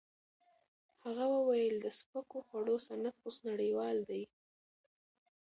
هغه وویل د سپکو خوړو صنعت اوس نړیوال دی.